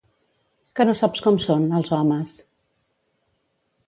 Que no saps com són, els homes?